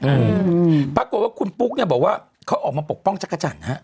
อืมปรากฏว่าคุณปุ๊กเนี้ยบอกว่าเขาออกมาปกป้องจักรจันทร์ฮะ